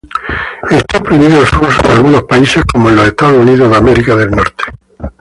Está prohibido su uso en algunos países, como en Estados Unidos.